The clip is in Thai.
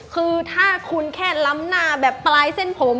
คือถ้าคุณแค่ล้ำหน้าแบบปลายเส้นผม